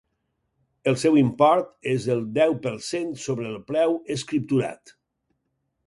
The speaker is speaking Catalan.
El seu import és el deu per cent sobre el preu escripturat.